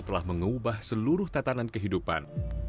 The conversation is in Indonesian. telah mengubah seluruh tatanan kehidupan